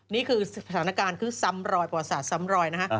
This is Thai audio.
นี่คือสถานการณ์คือซ้ำรอยประวัติศาสซ้ำรอยนะฮะ